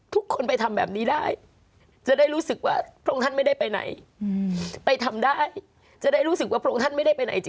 ทุกคนไปทำแบบนี้ได้จะได้รู้สึกว่าพระองค์ท่านไม่ได้ไปไหน